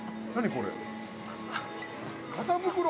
これ。